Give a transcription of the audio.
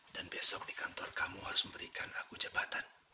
besok di kantor kamu harus memberikan aku jabatan